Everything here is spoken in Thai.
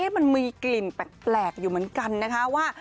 มันมีกลิ่นแปลกอยู่เหมือนกันนะคะว่า